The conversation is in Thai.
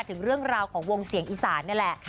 ถึงเรื่องราวของวงเสียงอีสานนี่แหละ